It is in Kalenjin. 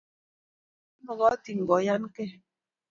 kipsomaninik komokotin kayankei